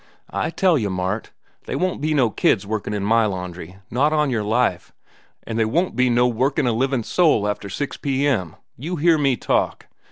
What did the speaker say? "I tell yeh, Mart, they won't be no kids workin' in my laundry—not on yer life. An' they won't be no workin' a livin' soul after six P.M. You hear me talk!